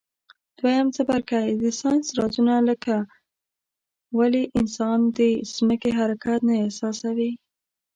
دویم څپرکی د ساینس رازونه لکه ولي انسان د ځمکي حرکت نه احساسوي.